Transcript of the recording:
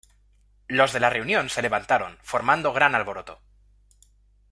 Los de la reunión se levantaron formando gran alboroto.